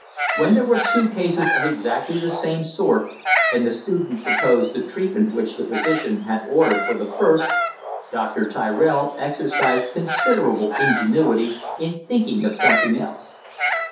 When there were two cases of exactly the same sort and the student proposed the treatment which the physician had ordered for the first, Dr. Tyrell exercised considerable ingenuity in thinking of something else.